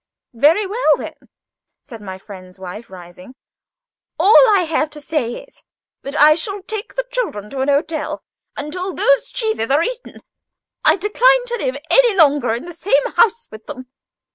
"Very well, then," said my friend's wife, rising, "all I have to say is, that I shall take the children and go to an hotel until those cheeses are eaten. I decline to live any longer in the same house with them."